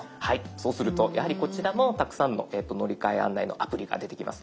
そうするとやはりこちらもたくさんの乗り換え案内のアプリが出てきます。